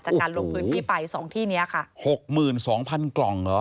จากการลงพื้นที่ไปสองที่เนี้ยค่ะหกหมื่นสองพันกล่องเหรอ